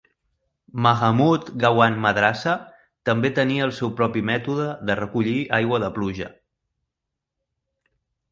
Mahamood Gawan Madrasa també tenia el seu propi mètode de recollir aigua de pluja.